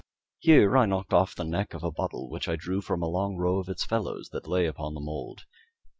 Here I knocked off the neck of a bottle which I drew from a long row of its fellows that lay upon the mould.